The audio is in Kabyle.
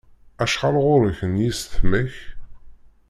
Acḥal ɣur-k n yisetma-k?